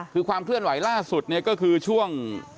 คือความเคลื่อนไหวล่าสุดเนี่ยก็คือช่วง